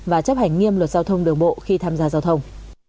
và chấp hành nghiêm luật giao thông đường bộ khi tham gia giao thông